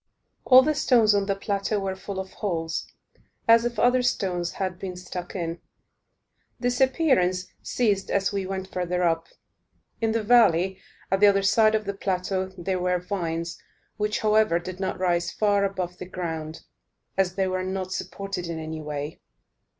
All the stones on the plateau were full of holes, as if other stones had been stuck in. This appearance ceased as we went further up. In the valley, at the other side of the plateau, there were vines, which, however, did not rise far above the ground, as they were not supported in any way.